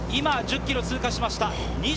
今、１０ｋｍ通過しました。